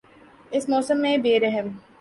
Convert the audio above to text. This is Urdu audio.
اس موسم میں بے رحم